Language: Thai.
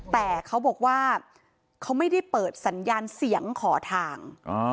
แต่เขาบอกว่าเขาไม่ได้เปิดสัญญาณเสียงขอทาง